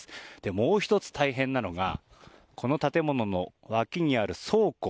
もう１つ、大変なのがこの建物の脇にある倉庫。